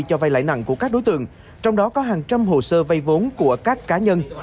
cho vay lãi nặng của các đối tượng trong đó có hàng trăm hồ sơ vay vốn của các cá nhân